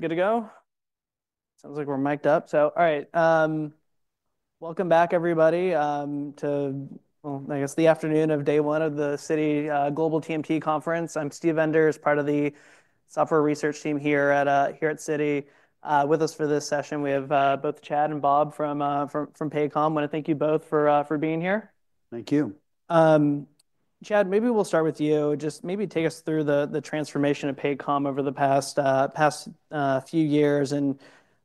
... Good to go? Sounds like we're mic'd up, so all right, welcome back everybody, to, well, I guess, the afternoon of day one of the Citi Global TMT Conference. I'm Steve Enders, part of the software research team here at Citi. With us for this session, we have both Chad and Bob from Paycom. I want to thank you both for being here. Thank you. Chad, maybe we'll start with you. Just maybe take us through the transformation of Paycom over the past few years, and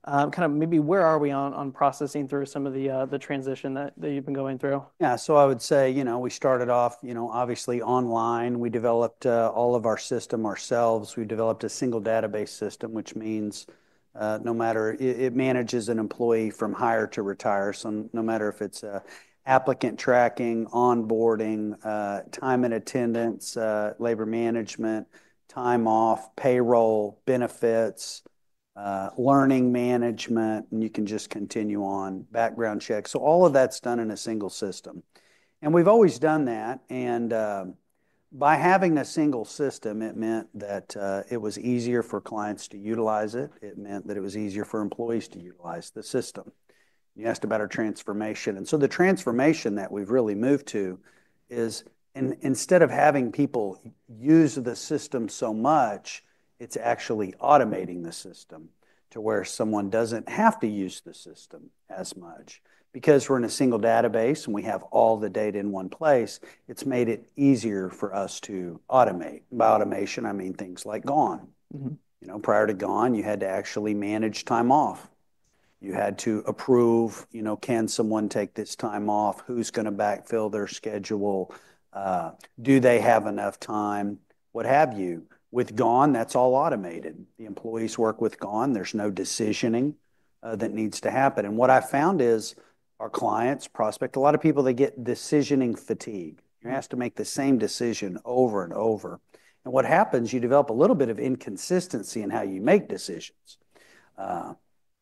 kind of maybe where are we on processing through some of the transition that you've been going through? Yeah. So I would say, you know, we started off, you know, obviously online. We developed all of our system ourselves. We developed a single database system, which means no matter. It manages an employee from hire to retire. So no matter if it's applicant tracking, onboarding, time and attendance, labor management, time off, payroll, benefits, learning management, and you can just continue on, background checks. So all of that's done in a single system, and we've always done that, and by having a single system, it meant that it was easier for clients to utilize it. It meant that it was easier for employees to utilize the system. You asked about our transformation, and so the transformation that we've really moved to is instead of having people use the system so much, it's actually automating the system to where someone doesn't have to use the system as much. Because we're in a single database, and we have all the data in one place, it's made it easier for us to automate. By automation, I mean things like GONE. Mm-hmm. You know, prior to Gone, you had to actually manage time off. You had to approve, you know, can someone take this time off? Who's going to backfill their schedule? Do they have enough time? What have you. With Gone, that's all automated. The employees work with Gone. There's no decisioning that needs to happen. And what I've found is our clients prospect. A lot of people, they get decisioning fatigue. You're asked to make the same decision over and over, and what happens, you develop a little bit of inconsistency in how you make decisions.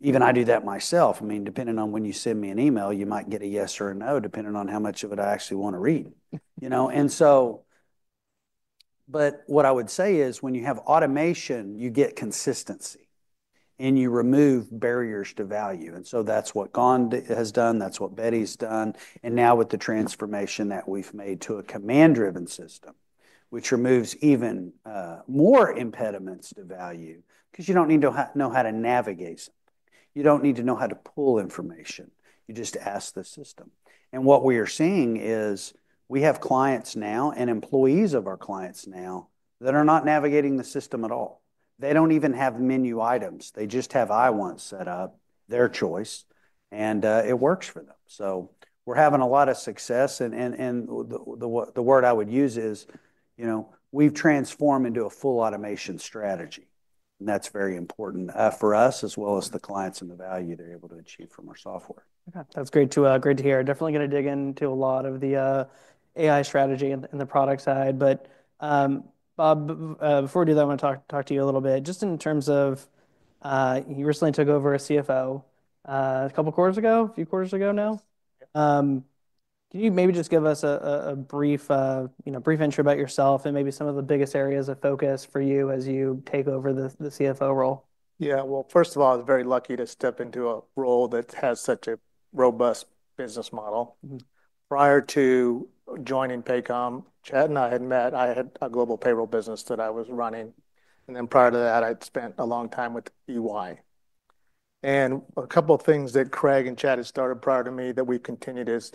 Even I do that myself. I mean, depending on when you send me an email, you might get a yes or a no, depending on how much of it I actually want to read. You know, and so... But what I would say is, when you have automation, you get consistency, and you remove barriers to value, and so that's what GONE has done. That's what Beti's done, and now with the transformation that we've made to a command-driven system, which removes even more impediments to value, because you don't need to know how to navigate something. You don't need to know how to pull information. You just ask the system. And what we are seeing is, we have clients now, and employees of our clients now, that are not navigating the system at all. They don't even have menu items. They just have IWant set up, their choice, and it works for them. So we're having a lot of success, and the word I would use is, you know, we've transformed into a full automation strategy, and that's very important for us, as well as the clients and the value they're able to achieve from our software. Okay, that's great to hear. Definitely going to dig into a lot of the AI strategy and the product side. But, Bob, before we do that, I want to talk to you a little bit, just in terms of you recently took over as CFO a couple quarters ago, a few quarters ago now. Yes. Can you maybe just give us a brief, you know, intro about yourself and maybe some of the biggest areas of focus for you as you take over the CFO role? Yeah. Well, first of all, I was very lucky to step into a role that has such a robust business model. Mm. Prior to joining Paycom, Chad and I had met. I had a global payroll business that I was running, and then prior to that, I'd spent a long time with EY, and a couple of things that Craig and Chad had started prior to me, that we've continued, is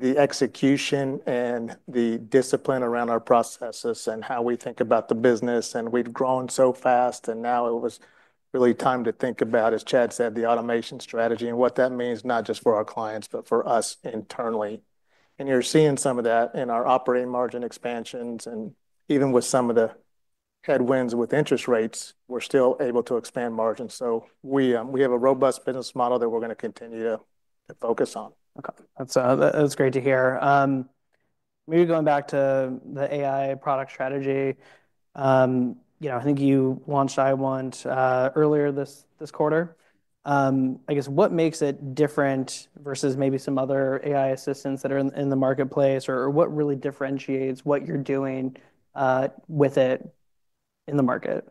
the execution and the discipline around our processes and how we think about the business, and we'd grown so fast, and now it was really time to think about, as Chad said, the automation strategy and what that means, not just for our clients, but for us internally, and you're seeing some of that in our operating margin expansions, and even with some of the headwinds with interest rates, we're still able to expand margins, so we have a robust business model that we're going to continue to focus on. Okay. That's great to hear. Maybe going back to the AI product strategy, you know, I think you launched IWant earlier this quarter. I guess, what makes it different versus maybe some other AI assistants that are in the marketplace, or what really differentiates what you're doing with it in the market?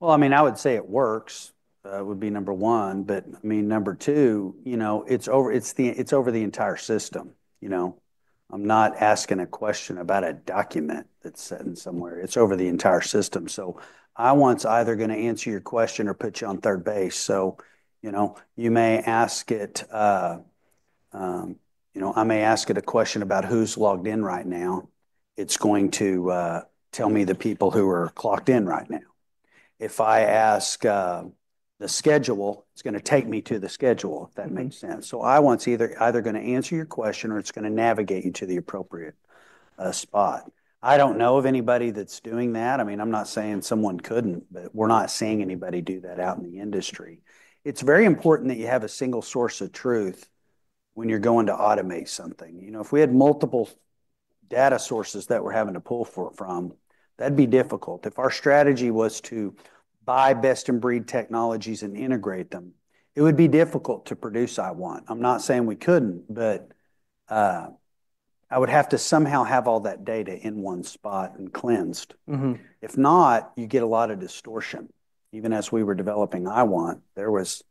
Well, I mean, I would say it works would be number one, but, I mean, number two, you know, it's over the entire system, you know. I'm not asking a question about a document that's sitting somewhere. It's over the entire system. So IWant's either going to answer your question or put you on third base. So, you know, you may ask it, you know, I may ask it a question about who's logged in right now. It's going to tell me the people who are clocked in right now. If I ask the schedule, it's going to take me to the schedule- Mm-hmm... if that makes sense. So IWant's either going to answer your question, or it's going to navigate you to the appropriate spot. I don't know of anybody that's doing that. I mean, I'm not saying someone couldn't, but we're not seeing anybody do that out in the industry. It's very important that you have a single source of truth when you're going to automate something. You know, if we had multiple data sources that we're having to pull from, that'd be difficult. If our strategy was to buy best-in-breed technologies and integrate them, it would be difficult to produce IWant. I'm not saying we couldn't, but I would have to somehow have all that data in one spot and cleansed. Mm-hmm. If not, you get a lot of distortion. Even as we were developing IWant, there was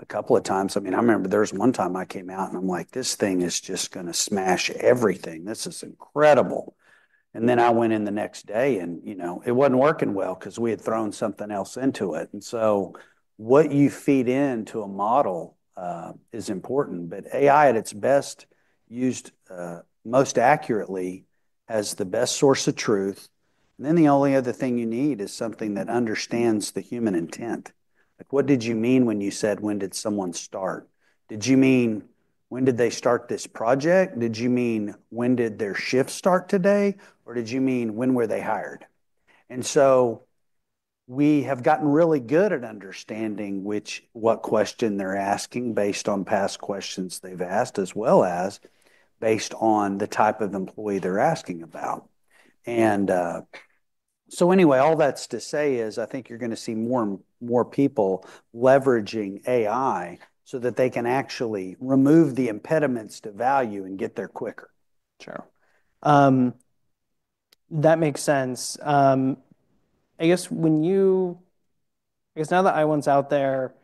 a couple of times... I mean, I remember there was one time I came out, and I'm like: "This thing is just gonna smash everything. This is incredible!" And then I went in the next day, and, you know, it wasn't working well, 'cause we had thrown something else into it. And so what you feed into a model, is important, but AI, at its best, used, most accurately as the best source of truth. And then the only other thing you need is something that understands the human intent. Like, what did you mean when you said, "When did someone start?" Did you mean, when did they start this project? Did you mean, when did their shift start today, or did you mean, when were they hired? And so we have gotten really good at understanding what question they're asking based on past questions they've asked, as well as based on the type of employee they're asking about. And, so anyway, all that's to say is, I think you're gonna see more people leveraging AI, so that they can actually remove the impediments to value and get there quicker. Sure. That makes sense. I guess now that IWant's out there,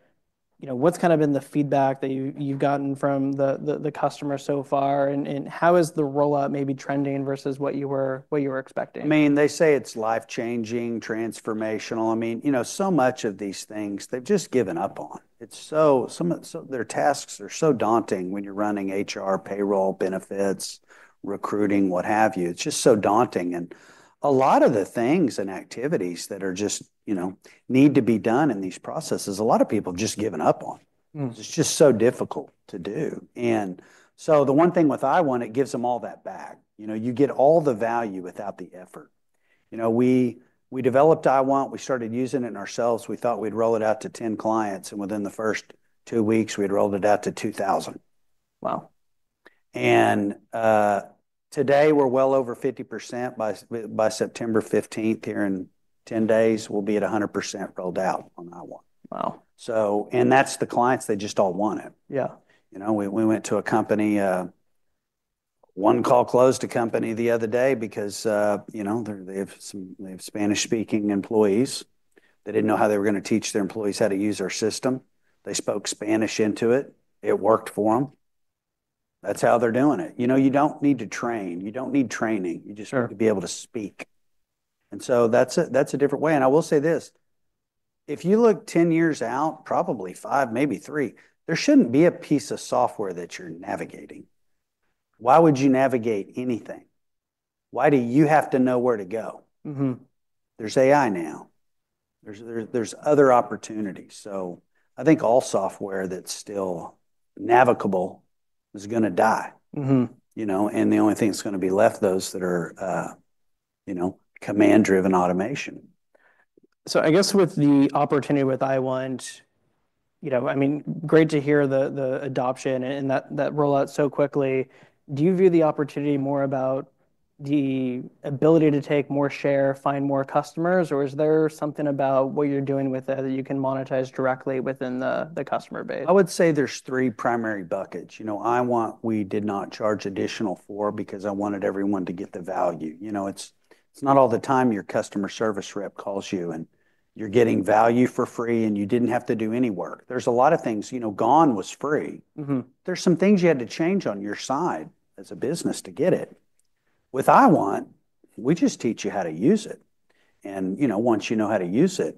you know, what's kind of been the feedback that you've gotten from the customer so far, and how is the rollout maybe trending versus what you were expecting? I mean, they say it's life-changing, transformational. I mean, you know, so much of these things, they've just given up on. It's so. Some of their tasks are so daunting when you're running HR, payroll, benefits, recruiting, what have you. It's just so daunting, and a lot of the things and activities that are just, you know, need to be done in these processes, a lot of people have just given up on. Mm. It's just so difficult to do, and so the one thing with IWant, it gives them all that back. You know, you get all the value without the effort. You know, we developed IWant, we started using it ourselves. We thought we'd roll it out to 10 clients, and within the first two weeks, we'd rolled it out to 2,000. Wow! Today, we're well over 50%. By September 15th, here in 10 days, we'll be at 100% rolled out on IWant. Wow. That's the clients. They just all want it. Yeah. You know, we went to a company. One call closed a company the other day because, you know, they have Spanish-speaking employees. Mm. They didn't know how they were gonna teach their employees how to use our system. They spoke Spanish into it. It worked for them. That's how they're doing it. You know, you don't need to train, you don't need training. Sure. You just need to be able to speak. And so that's a, that's a different way, and I will say this: If you look 10 years out, probably five, maybe three, there shouldn't be a piece of software that you're navigating. Why would you navigate anything? Why do you have to know where to go? Mm-hmm. There's AI now. There's other opportunities, so I think all software that's still navigable is gonna die. Mm-hmm. You know, and the only thing that's gonna be left are those that are, you know, command-driven automation. I guess with the opportunity with IWant, you know, I mean, great to hear the adoption and that roll out so quickly. Do you view the opportunity more about the ability to take more share, find more customers, or is there something about what you're doing with it that you can monetize directly within the customer base? I would say there's three primary buckets. You know, IWant, we did not charge additional for because I wanted everyone to get the value. You know, it's, it's not all the time your customer service rep calls you, and you're getting value for free, and you didn't have to do any work. There's a lot of things. You know, GONE was free. Mm-hmm. There's some things you had to change on your side as a business to get it. With IWant, we just teach you how to use it, and, you know, once you know how to use it,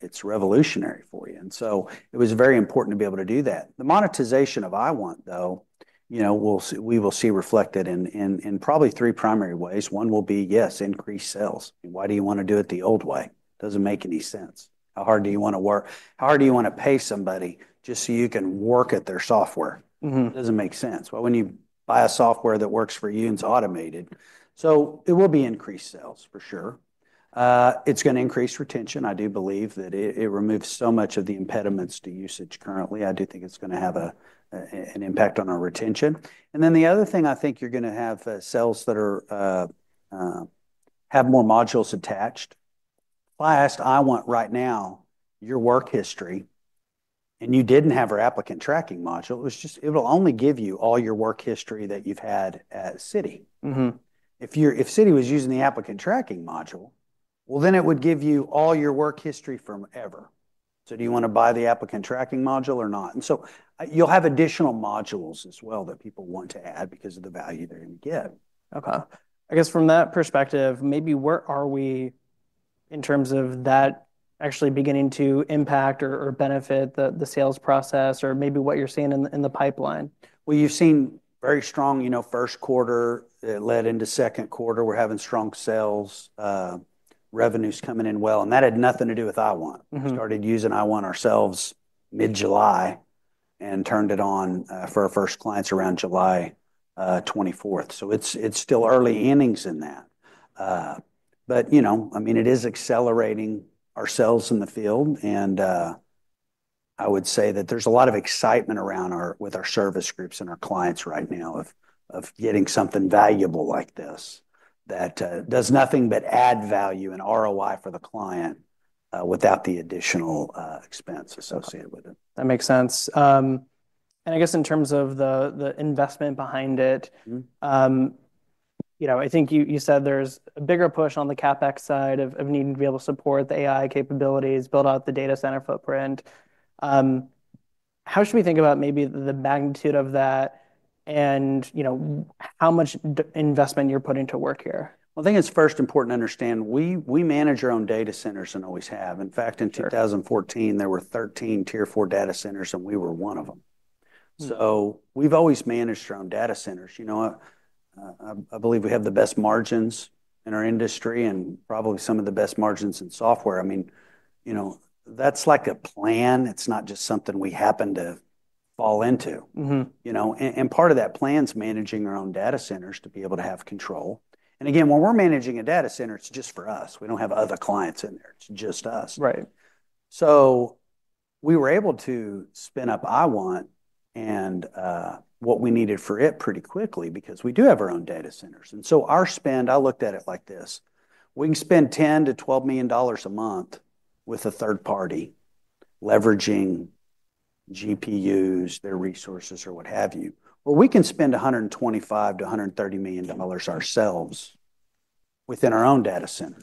it's revolutionary for you. And so it was very important to be able to do that. The monetization of IWant, though, you know, we will see reflected in probably three primary ways. One will be, yes, increased sales. Why do you want to do it the old way? Doesn't make any sense. How hard do you want to pay somebody just so you can work at their software? Mm-hmm. Doesn't make sense, well, when you buy a software that works for you, and it's automated. So it will be increased sales, for sure. It's gonna increase retention. I do believe that it removes so much of the impediments to usage currently. I do think it's gonna have an impact on our retention. And then the other thing, I think you're gonna have sales that have more modules attached. If I asked IWant right now your work history, and you didn't have our applicant tracking module, it's just. It'll only give you all your work history that you've had at Citi. Mm-hmm. If Citi was using the applicant tracking module, well, then it would give you all your work history forever. Mm. So do you want to buy the applicant tracking module or not? And so, you'll have additional modules as well that people want to add because of the value they're gonna get. Okay. I guess from that perspective, maybe where are we in terms of that actually beginning to impact or, or benefit the, the sales process, or maybe what you're seeing in the, in the pipeline? You've seen very strong, you know, first quarter. It led into second quarter. We're having strong sales. Revenue's coming in well, and that had nothing to do with IWant. Mm-hmm. We started using IWant ourselves mid-July and turned it on for our first clients around July 24th. So it's still early innings in that. But you know, I mean, it is accelerating our sales in the field, and I would say that there's a lot of excitement around our with our service groups and our clients right now of getting something valuable like this that does nothing but add value and ROI for the client without the additional expense associated with it. That makes sense. And I guess in terms of the investment behind it- Mm-hmm. You know, I think you said there's a bigger push on the CapEx side of needing to be able to support the AI capabilities, build out the data center footprint. How should we think about maybe the magnitude of that and, you know, how much investment you're putting to work here? I think it's first important to understand, we manage our own data centers and always have. In fact- Sure... in 2014, there were 13 Tier IV data centers, and we were one of them. Mm. So we've always managed our own data centers. You know, I believe we have the best margins in our industry and probably some of the best margins in software. I mean, you know, that's like a plan. It's not just something we happen to fall into. Mm-hmm. You know, and part of that plan is managing our own data centers to be able to have control. And again, when we're managing a data center, it's just for us. We don't have other clients in there. It's just us. Right. So we were able to spin up IWant and what we needed for it pretty quickly because we do have our own data centers. And so our spend, I looked at it like this: we can spend $10-$12 million a month with a third party, leveraging GPUs, their resources, or what have you. Or we can spend $125-$130 million ourselves within our own data center.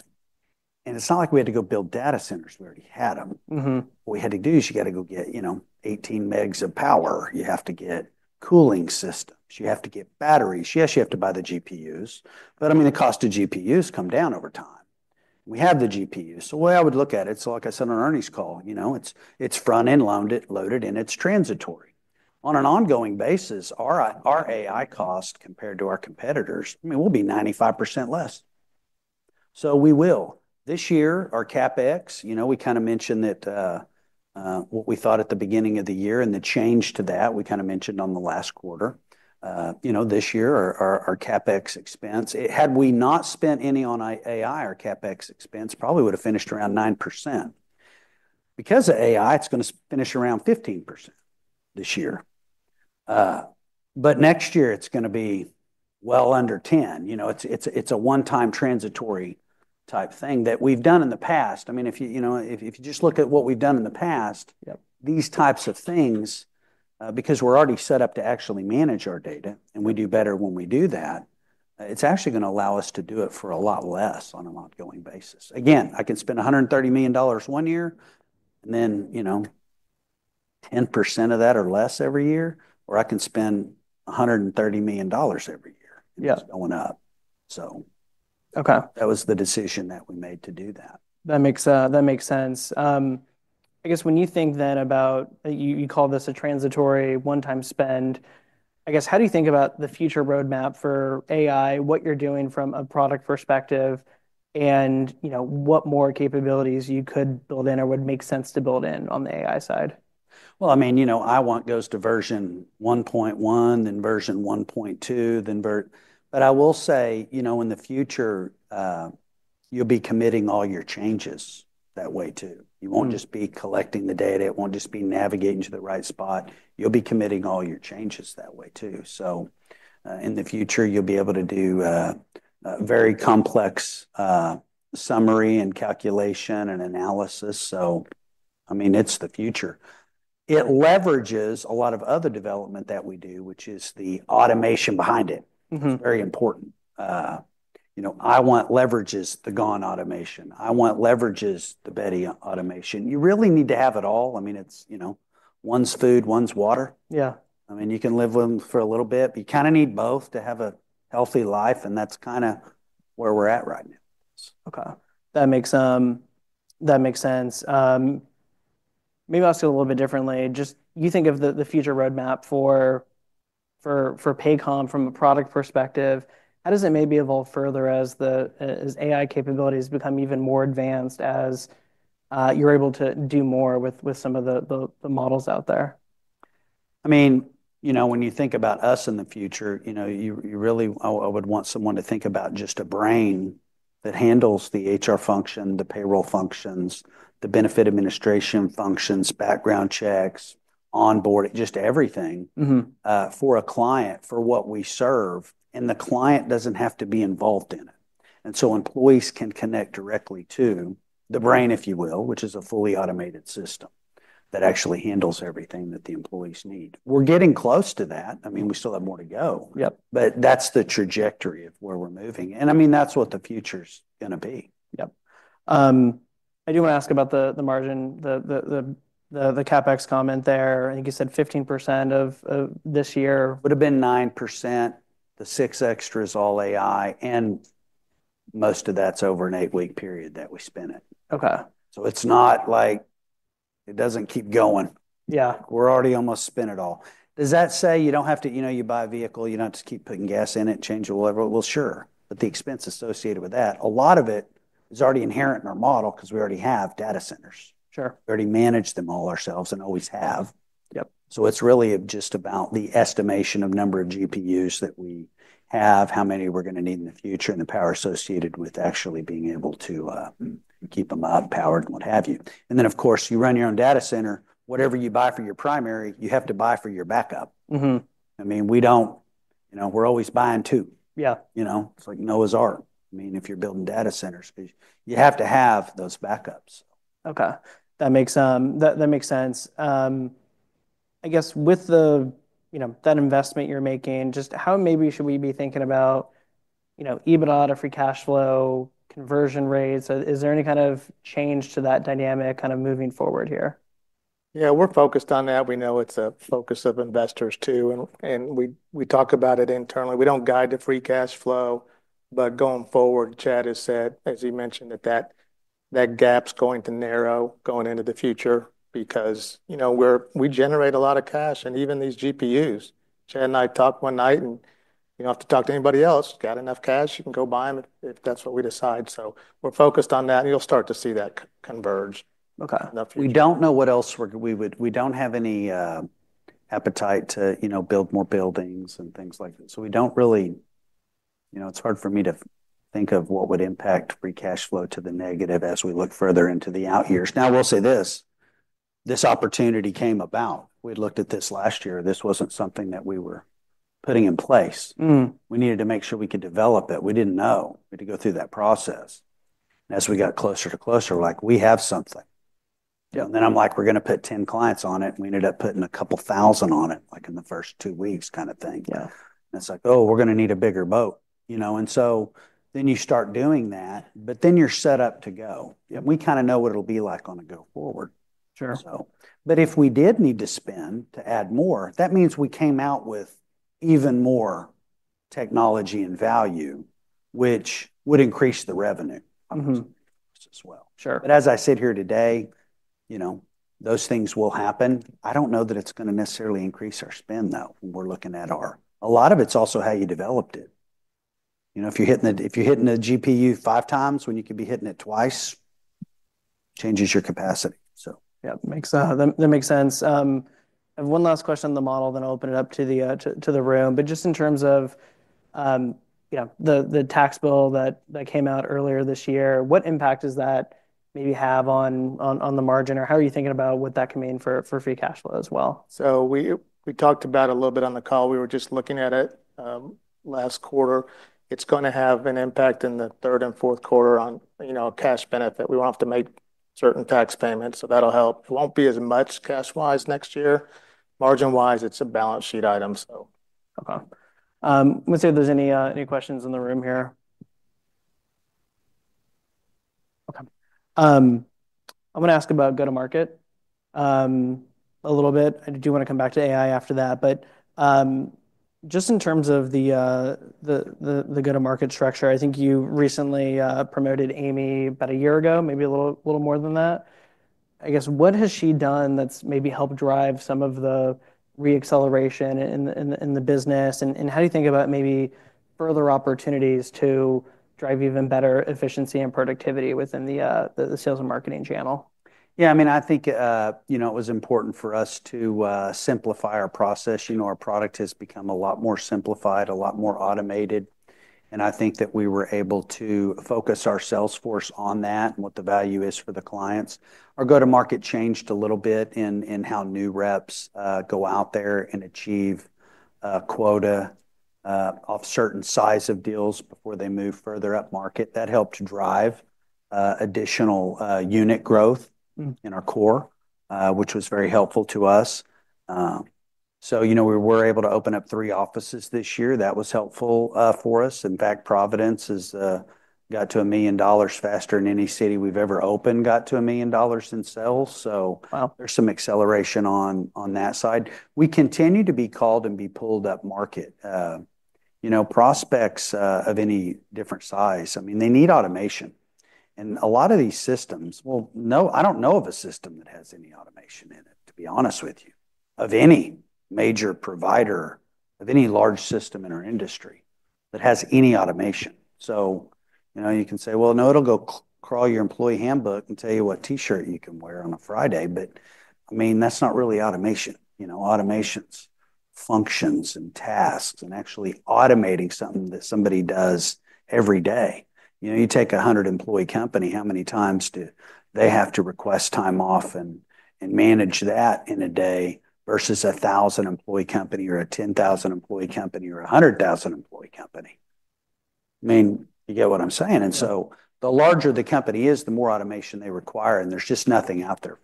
And it's not like we had to go build data centers. We already had them. Mm-hmm. What we had to do is you got to go get, you know, 18 megs of power. You have to get cooling systems. You have to get batteries. Yes, you have to buy the GPUs, but I mean, the cost of GPUs come down over time. We have the GPUs. So the way I would look at it, so like I said on earnings call, you know, it's front-end loaded, and it's transitory. On an ongoing basis, our AI cost compared to our competitors, I mean, we'll be 95% less. So we will. This year, our CapEx, you know, we kind of mentioned that, what we thought at the beginning of the year and the change to that, we kind of mentioned on the last quarter. You know, this year, our CapEx expense, had we not spent any on AI, our CapEx expense probably would have finished around 9%. Because of AI, it's going to finish around 15% this year. But next year, it's going to be well under 10%. You know, it's a one-time transitory type thing that we've done in the past. I mean, if you know, if you just look at what we've done in the past- Yep... these types of things, because we're already set up to actually manage our data, and we do better when we do that, it's actually going to allow us to do it for a lot less on an ongoing basis. Again, I can spend $130 million one year, and then, you know, 10% of that or less every year, or I can spend $130 million every year- Yeah... and it's going up. So- Okay. That was the decision that we made to do that. That makes sense. I guess when you think then about... You call this a transitory one-time spend. I guess, how do you think about the future roadmap for AI, what you're doing from a product perspective, and, you know, what more capabilities you could build in or would make sense to build in on the AI side? I mean, you know, IWant goes to version 1.1, then version 1.2, but I will say, you know, in the future, you'll be committing all your changes that way, too. Mm. You won't just be collecting the data. It won't just be navigating to the right spot. You'll be committing all your changes that way, too. So, in the future, you'll be able to do a very complex summary and calculation and analysis. So I mean, it's the future. It leverages a lot of other development that we do, which is the automation behind it. Mm-hmm. It's very important. You know, IWant leverages the GONE automation. IWant leverages the Beti automation. You really need to have it all. I mean, it's, you know, one's food, one's water. Yeah. I mean, you can live with them for a little bit, but you kind of need both to have a healthy life, and that's kind of where we're at right now. Okay, that makes sense. Maybe I'll ask you a little bit differently. Just you think of the future roadmap for Paycom from a product perspective. How does it maybe evolve further as AI capabilities become even more advanced, as you're able to do more with some of the models out there? I mean, you know, when you think about us in the future, you know, you really... I would want someone to think about just a brain that handles the HR function, the payroll functions, the benefit administration functions, background checks, onboarding, just everything- Mm-hmm... for a client, for what we serve, and the client doesn't have to be involved in it, and so employees can connect directly to the brain- Yeah... if you will, which is a fully automated system, that actually handles everything that the employees need. We're getting close to that. I mean, we still have more to go. Yep. But that's the trajectory of where we're moving, and I mean, that's what the future's gonna be. Yep. I do want to ask about the margin, the CapEx comment there. I think you said 15% of this year. Would have been 9%. The six extra is all AI, and most of that's over an eight-week period that we spent it. Okay. So it's not like... It doesn't keep going. Yeah. We're already almost spent it all. Does that say you don't have to... You know, you buy a vehicle, you don't have to keep putting gas in it, change the oil. Well, sure, but the expense associated with that, a lot of it is already inherent in our model because we already have data centers. Sure. We already manage them all ourselves and always have. Yep. So it's really just about the estimation of number of GPUs that we have, how many we're going to need in the future, and the power associated with actually being able to keep them up, powered, and what have you. And then, of course, you run your own data center. Whatever you buy for your primary, you have to buy for your backup. Mm-hmm. I mean, we don't... you know, we're always buying two. Yeah. You know, it's like Noah's Ark, I mean, if you're building data centers, 'cause you have to have those backups. Okay. That makes sense. I guess with the, you know, that investment you're making, just how maybe should we be thinking about, you know, EBITDA, free cash flow, conversion rates? Is there any kind of change to that dynamic kind of moving forward here? Yeah, we're focused on that. We know it's a focus of investors, too, and we talk about it internally. We don't guide the free cash flow, but going forward, Chad has said, as he mentioned, that gap's going to narrow going into the future because, you know, we generate a lot of cash, and even these GPUs. Chad and I talked one night, and you don't have to talk to anybody else. Got enough cash, you can go buy them if that's what we decide. So we're focused on that, and you'll start to see that converge- Okay... in the future. We don't know what else we don't have any appetite to, you know, build more buildings and things like that, so we don't really. You know, it's hard for me to think of what would impact free cash flow to the negative as we look further into the out years. Now, I will say this: This opportunity came about. We looked at this last year. This wasn't something that we were putting in place. Mm. We needed to make sure we could develop it. We didn't know. We had to go through that process. As we got closer and closer, we're like: We have something. Yeah. And then I'm like: We're going to put ten clients on it, and we ended up putting a couple thousand on it, like, in the first two weeks kind of thing. Yeah. And it's like, "Oh, we're going to need a bigger boat," you know? And so then you start doing that, but then you're set up to go. Yeah. We kind of know what it'll be like going forward. Sure. But if we did need to spend to add more, that means we came out with even more technology and value, which would increase the revenue- Mm-hmm... as well. Sure. But as I sit here today, you know, those things will happen. I don't know that it's going to necessarily increase our spend, though, when we're looking at our... A lot of it's also how you developed it. You know, if you're hitting a GPU five times when you could be hitting it twice, changes your capacity, so. Yeah, that makes sense. I have one last question on the model, then I'll open it up to the room. But just in terms of the tax bill that came out earlier this year, what impact does that maybe have on the margin? Or how are you thinking about what that could mean for free cash flow as well? So we talked about it a little bit on the call. We were just looking at it last quarter. It's going to have an impact in the third and fourth quarter on, you know, cash benefit. We won't have to make certain tax payments, so that'll help. It won't be as much cash-wise next year. Margin-wise, it's a balance sheet item, so. Okay. Let's see if there's any questions in the room here. Okay, I'm going to ask about go-to-market, a little bit. I do want to come back to AI after that, but, just in terms of the go-to-market structure, I think you recently promoted Amy about a year ago, maybe a little more than that. I guess, what has she done that's maybe helped drive some of the re-acceleration in the business? And how do you think about maybe further opportunities to drive even better efficiency and productivity within the sales and marketing channel? Yeah, I mean, I think, you know, it was important for us to simplify our process. You know, our product has become a lot more simplified, a lot more automated, and I think that we were able to focus our sales force on that and what the value is for the clients. Our go-to-market changed a little bit in how new reps go out there and achieve a quota of certain size of deals before they move further up market. That helped drive additional unit growth- Mm ... in our core, which was very helpful to us. So, you know, we were able to open up three offices this year. That was helpful, for us. In fact, Providence has got to $1 million faster than any city we've ever opened, got to $1 million in sales, so- Wow... there's some acceleration on that side. We continue to be called and be pulled up market. You know, prospects of any different size, I mean, they need automation, and a lot of these systems. Well, no, I don't know of a system that has any automation in it, to be honest with you, of any major provider, of any large system in our industry that has any automation. So, you know, you can say, "Well, no, it'll go crawl your employee handbook and tell you what T-shirt you can wear on a Friday," but, I mean, that's not really automation. You know, automation's functions and tasks and actually automating something that somebody does every day. You know, you take a hundred-employee company, how many times do they have to request time off and manage that in a day versus a thousand-employee company or a ten-thousand-employee company or a hundred-thousand-employee company? I mean, you get what I'm saying. Yeah. The larger the company is, the more automation they require, and there's just nothing out there.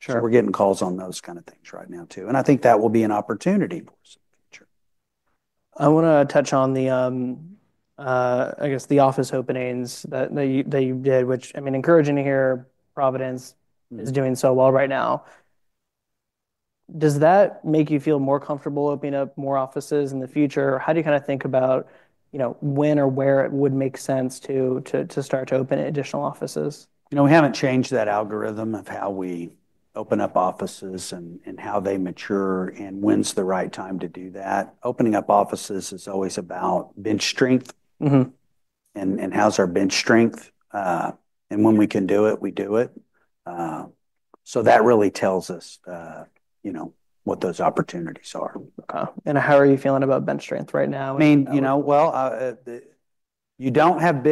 Sure. So we're getting calls on those kind of things right now, too, and I think that will be an opportunity for us in the future. I want to touch on the, I guess, the office openings that you did, which, I mean, encouraging to hear Providence- Mm... is doing so well right now. Does that make you feel more comfortable opening up more offices in the future? How do you kind of think about, you know, when or where it would make sense to start to open additional offices? You know, we haven't changed that algorithm of how we open up offices and how they mature and when's the right time to do that. Opening up offices is always about bench strength- Mm-hmm... and how's our bench strength? And when we can do it, we do it. So that really tells us, you know, what those opportunities are. How are you feeling about bench strength right now? I mean, you know, well, you don't have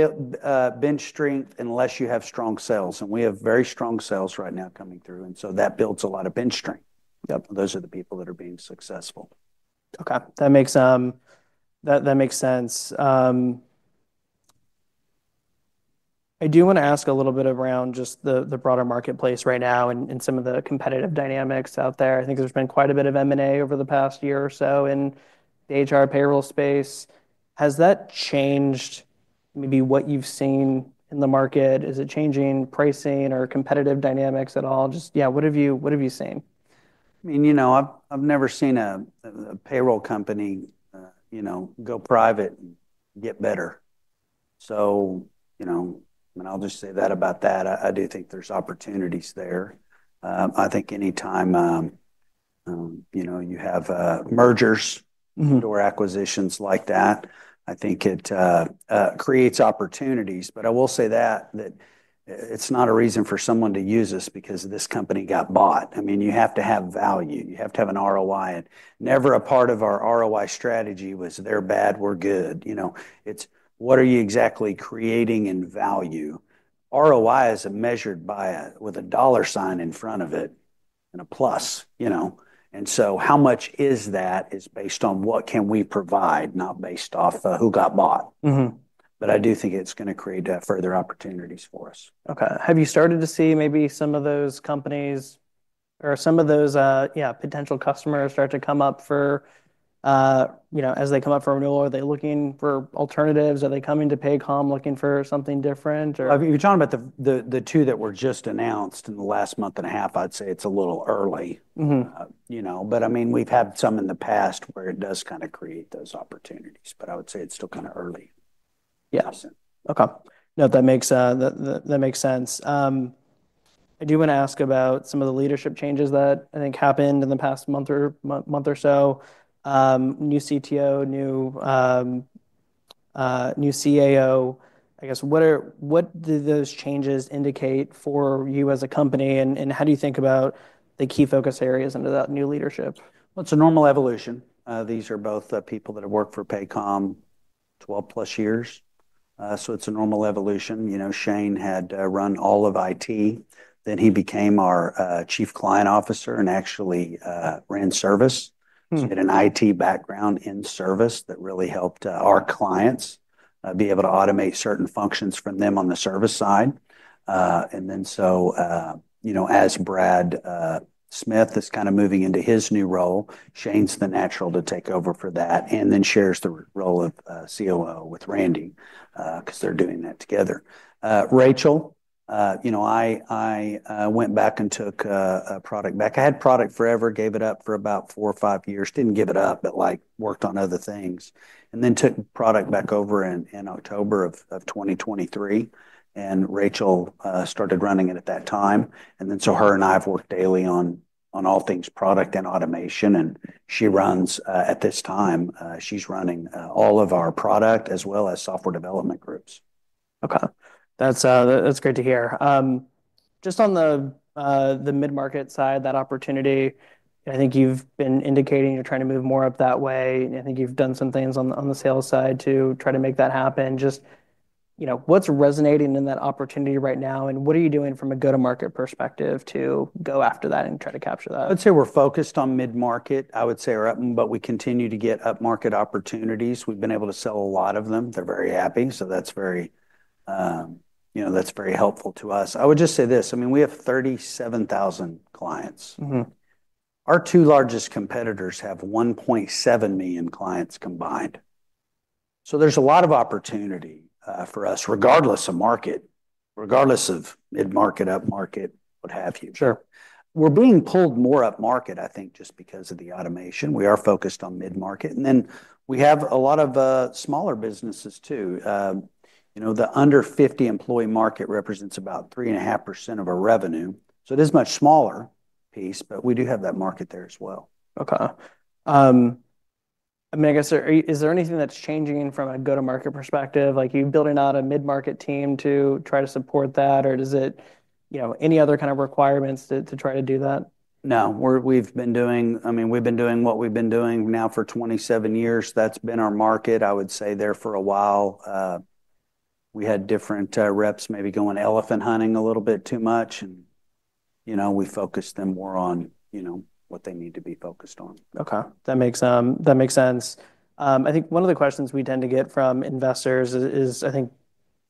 bench strength unless you have strong sales, and we have very strong sales right now coming through, and so that builds a lot of bench strength. Yep, those are the people that are being successful. Okay, that makes sense. I do want to ask a little bit around just the broader marketplace right now and some of the competitive dynamics out there. I think there's been quite a bit of M&A over the past year or so in the HR payroll space. Has that changed maybe what you've seen in the market? Is it changing pricing or competitive dynamics at all? Just, yeah, what have you seen? I mean, you know, I've never seen a payroll company, you know, go private and get better, so you know, and I'll just say that about that. I do think there's opportunities there. I think anytime, you know, you have mergers- Mm-hmm... or acquisitions like that, I think it creates opportunities. But I will say that it's not a reason for someone to use us because this company got bought. I mean, you have to have value. You have to have an ROI, and never a part of our ROI strategy was, "They're bad, we're good," you know? It's, "What are you exactly creating in value?" ROI is measured by with a dollar sign in front of it and a plus, you know. And so how much that is based on what can we provide, not based off who got bought. Mm-hmm. But I do think it's going to create further opportunities for us. Okay. Have you started to see maybe some of those companies or some of those potential customers start to come up for, You know, as they come up for renewal, are they looking for alternatives? Are they coming to Paycom looking for something different or- If you're talking about the two that were just announced in the last month and a half, I'd say it's a little early. Mm-hmm. You know, but, I mean, we've had some in the past where it does kind of create those opportunities, but I would say it's still kind of early. Yeah. So. Okay. No, that makes sense. I do want to ask about some of the leadership changes that I think happened in the past month or so. New CTO, new CAO. I guess, what do those changes indicate for you as a company, and how do you think about the key focus areas under that new leadership? It's a normal evolution. These are both people that have worked for Paycom twelve plus years, so it's a normal evolution. You know, Shane had run all of IT, then he became our Chief Client Officer and actually ran service. Mm. He had an IT background in service that really helped our clients be able to automate certain functions from them on the service side. Then you know, as Brad Smith is kind of moving into his new role, Shane's the natural to take over for that, and then shares the role of COO with Randy 'cause they're doing that together. Rachel, you know, I went back and took a product back. I had product forever, gave it up for about four or five years. Didn't give it up, but like worked on other things, and then took product back over in October of 2023, and Rachel started running it at that time. Her and I have worked daily on all things product and automation, and at this time, she's running all of our product as well as software development groups. Okay. That's, that's great to hear. Just on the, the mid-market side, that opportunity, I think you've been indicating you're trying to move more up that way, and I think you've done some things on the, on the sales side to try to make that happen. Just, you know, what's resonating in that opportunity right now, and what are you doing from a go-to-market perspective to go after that and try to capture that? I'd say we're focused on mid-market. I would say we're up, but we continue to get up-market opportunities. We've been able to sell a lot of them. They're very happy, so that's very, you know, that's very helpful to us. I would just say this: I mean, we have 37,000 clients. Mm-hmm. Our two largest competitors have 1.7 million clients combined, so there's a lot of opportunity for us, regardless of market, regardless of mid-market, up-market, what have you. Sure. We're being pulled more up market, I think, just because of the automation. We are focused on mid-market, and then we have a lot of smaller businesses, too. You know, the under-50-employee market represents about 3.5% of our revenue, so it is a much smaller piece, but we do have that market there as well. Okay. I mean, I guess, is there anything that's changing from a go-to-market perspective? Like, are you building out a mid-market team to try to support that, or does it... You know, any other kind of requirements to try to do that? No, we've been doing... I mean, we've been doing what we've been doing now for 27 years. That's been our market. I would say there for a while, we had different reps maybe going elephant hunting a little bit too much, and, you know, we focused them more on, you know, what they need to be focused on. Okay. That makes sense. I think one of the questions we tend to get from investors is, I think,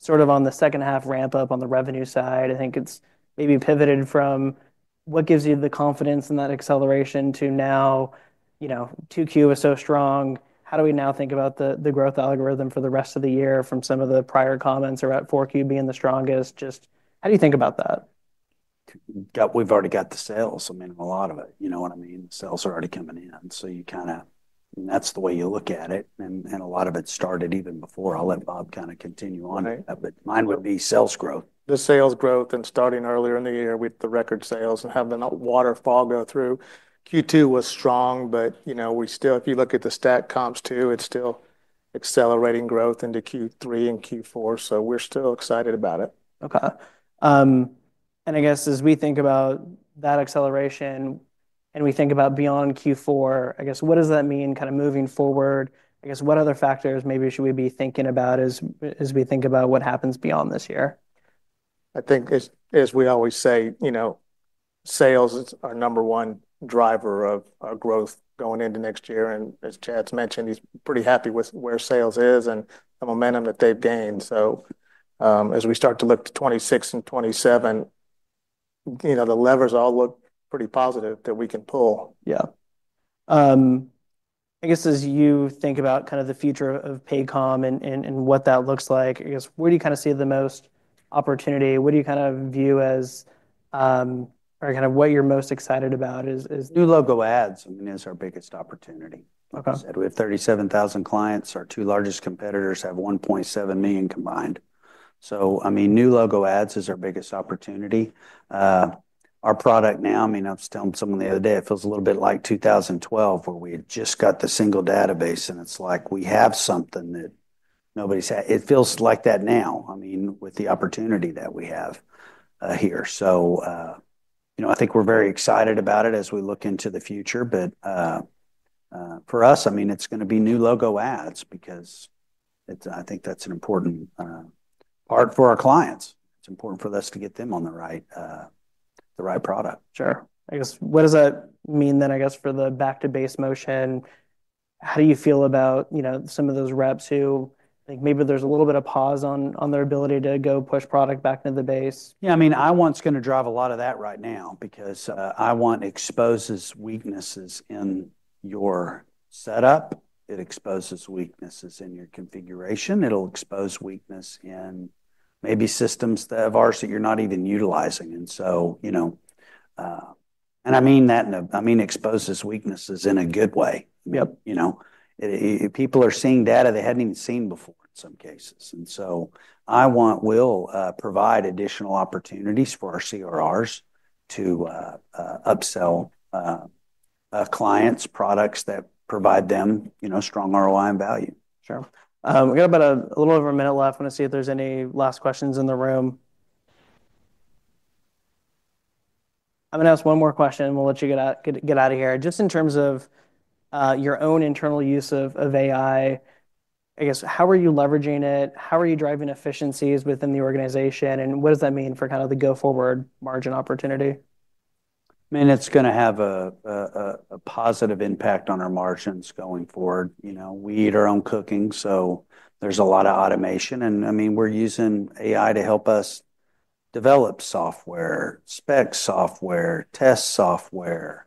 sort of on the second-half ramp-up on the revenue side, I think it's maybe pivoted from what gives you the confidence in that acceleration to now, you know, 2Q is so strong, how do we now think about the growth algorithm for the rest of the year from some of the prior comments about 4Q being the strongest? Just how do you think about that? We've already got the sales. I mean, a lot of it, you know what I mean? Sales are already coming in, so you kind of... And that's the way you look at it. A lot of it started even before. I'll let Bob kind of continue on- Right... but mine would be sales growth. The sales growth and starting earlier in the year with the record sales and having a waterfall go through. Q2 was strong, but, you know, we still, if you look at the stack comps too, it's still accelerating growth into Q3 and Q4, so we're still excited about it. Okay. And I guess as we think about that acceleration, and we think about beyond Q4, I guess, what does that mean kind of moving forward? I guess, what other factors maybe should we be thinking about as, as we think about what happens beyond this year? I think as, as we always say, you know, sales is our number one driver of, our growth going into next year, and as Chad's mentioned, he's pretty happy with where sales is and the momentum that they've gained. So, as we start to look to 2026 and 2027, you know, the levers all look pretty positive that we can pull. Yeah. I guess as you think about kind of the future of Paycom and what that looks like, I guess, where do you kinda see the most opportunity? What do you kind of view as, or kind of what you're most excited about is, New logo ads, I mean, is our biggest opportunity. Okay. We have 37,000 clients. Our two largest competitors have 1.7 million combined. So I mean, new logo adds is our biggest opportunity. Our product now, I mean, I was telling someone the other day, it feels a little bit like 2012, where we had just got the single database, and it's like we have something that nobody's had. It feels like that now, I mean, with the opportunity that we have here. So you know, I think we're very excited about it as we look into the future, but for us, I mean, it's gonna be new logo adds because it. I think that's an important part for our clients. It's important for us to get them on the right product. Sure. I guess, what does that mean then, I guess, for the back to base motion, how do you feel about, you know, some of those reps who think maybe there's a little bit of pause on, on their ability to go push product back into the base? Yeah, I mean, IWant's gonna drive a lot of that right now, because IWant exposes weaknesses in your setup, it exposes weaknesses in your configuration, it'll expose weakness in maybe systems of ours that you're not even utilizing. And so, you know, and I mean that in a - I mean, exposes weaknesses in a good way. Yep. You know, people are seeing data they hadn't even seen before in some cases, and so IWant will provide additional opportunities for our CRRs to upsell clients products that provide them, you know, strong ROI and value. Sure. We got about a little over a minute left. I want to see if there's any last questions in the room. I'm gonna ask one more question, and we'll let you get out of here. Just in terms of your own internal use of AI, I guess, how are you leveraging it? How are you driving efficiencies within the organization, and what does that mean for kind of the go-forward margin opportunity? I mean, it's gonna have a positive impact on our margins going forward. You know, we eat our own cooking, so there's a lot of automation, and, I mean, we're using AI to help us develop software, spec software, test software,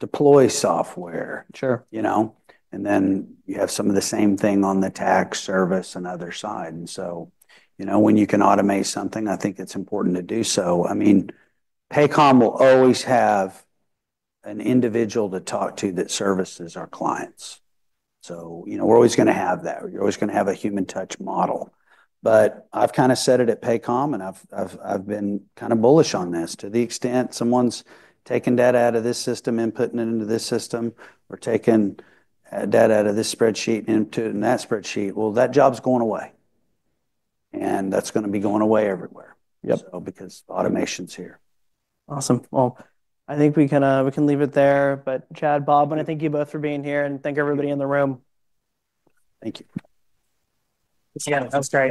deploy software- Sure. You know, and then you have some of the same thing on the tax service and other side. And so, you know, when you can automate something, I think it's important to do so. I mean, Paycom will always have an individual to talk to that services our clients. So, you know, we're always gonna have that. You're always gonna have a human touch model. But I've kind of said it at Paycom, and I've been kind of bullish on this. To the extent someone's taking data out of this system and putting it into this system, or taking data out of this spreadsheet into and that spreadsheet, well, that job's going away, and that's gonna be going away everywhere. Yep. So because automation's here. Awesome. Well, I think we kinda we can leave it there. But, Chad, Bob, I want to thank you both for being here, and thank everybody in the room. Thank you. Yeah, that was great.